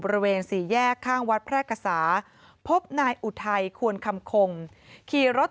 บริเวณสี่แยกข้างวัดแพร่กษาพบนายอุทัยควรคำคงขี่รถ